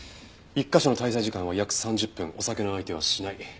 １カ所の滞在時間は約３０分お酒の相手はしない。